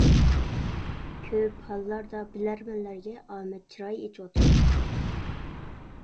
كۆپ ھاللاردا بىلەرمەنلەرگە ئامەت چىراي ئېچىۋاتىدۇ.